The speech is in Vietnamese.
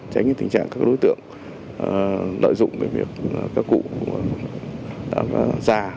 tránh những tình trạng các đối tượng lợi dụng về việc các cụ già